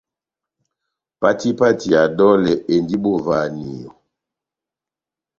Pati pati ya dolɛ endi bovahaniyo.